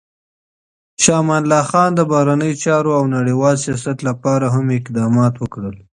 شاه امان الله خان د بهرنیو چارو او نړیوال سیاست لپاره هم اقدامات وکړل.